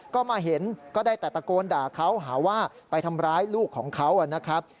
ก็มาเห็นก็ได้แต่ตะโกนด่าเขาหาว่าไปทำร้ายลูกของเขานะครับ